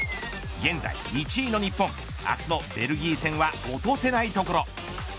現在、１位の日本明日のベルギー戦は落とせないところ。